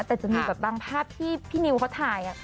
แต่จะมีแบบบางภาพที่พี่นิวเขาถ่าย